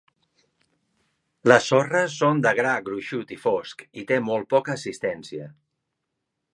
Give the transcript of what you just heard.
Les sorres són de gra gruixut i fosc i té molt poca assistència.